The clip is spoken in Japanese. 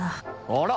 あら？